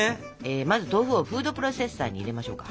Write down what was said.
まず豆腐をフードプロセッサーに入れましょうか。